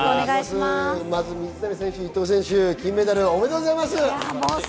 水谷選手、伊藤選手、金メダルおめでとうございます！